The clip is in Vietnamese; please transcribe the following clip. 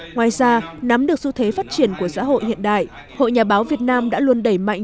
ngoài ra nắm được xu thế phát triển của xã hội hiện đại hội nhà báo việt nam đã luôn đẩy mạnh